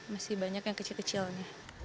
masih banyak yang kecil kecilnya